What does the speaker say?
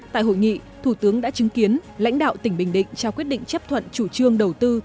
tại hội nghị thủ tướng đã chứng kiến lãnh đạo tỉnh bình định trao quyết định chấp thuận chủ trương đầu tư